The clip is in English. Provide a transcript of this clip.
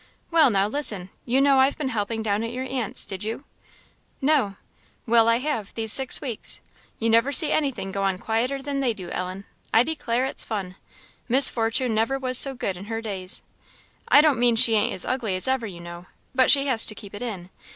"Well, now listen. You know I've been helping down at your aunt's did you?" "No." "Well, I have these six weeks. You never see anything go on quieter than they do, Ellen. I declare it's fun. Miss Fortune never was so good in her days. I don't mean she ain't as ugly as ever, you know, but she has to keep it in.